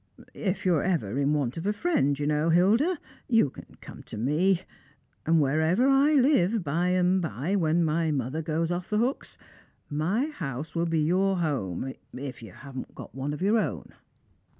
" If ever you're in want of a friend, you know, Hilda, you can eome to me; and wherever I Uve, by and by, when my mother gots off the hooks— my house will be your home, if you haven't one of your own."